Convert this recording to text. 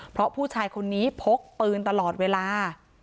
เพราะผู้ชายคนนี้พกปืนตลอดเวลา